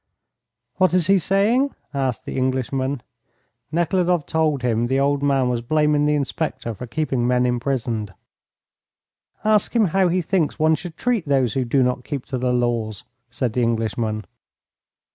"What is he saying?" asked the Englishman. Nekhludoff told him the old man was blaming the inspector for keeping men imprisoned. "Ask him how he thinks one should treat those who do not keep to the laws," said the Englishman.